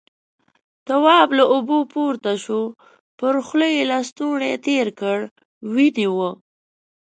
تواب له اوبو پورته شو، پر خوله يې لستوڼی تېر کړ، وينې وه.